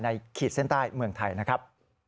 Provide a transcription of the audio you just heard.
ขีดเส้นใต้เมืองไทยนะครับ